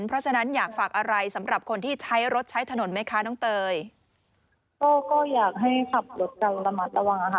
เพราะฉะนั้นอยากฝากอะไรสำหรับคนที่ใช้รถใช้ถนนไหมคะน้องเตยก็ก็อยากให้ขับรถเราระมัดระวังค่ะ